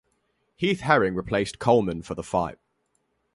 Heath Herring replaced Coleman for the fight.